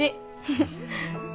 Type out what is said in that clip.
フフッ。